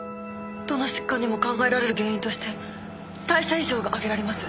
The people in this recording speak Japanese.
どの疾患にも考えられる原因として代謝異常があげられます。